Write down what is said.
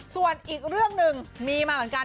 ส่วนอีกเรื่องหนึ่งมีมาเหมือนกัน